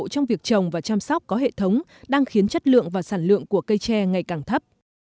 trong việc trồng và chăm sóc có hệ thống đang khiến chất lượng và sản lượng của cây tre ngày càng thấp